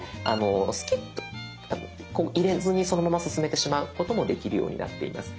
こう入れずにそのまま進めてしまうこともできるようになっています。